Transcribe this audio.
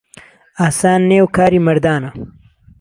ئاسان نێ و کاری مەردانە